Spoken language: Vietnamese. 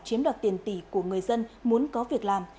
chiếm đoạt tiền tỷ của người dân muốn có việc làm